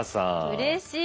うれしい！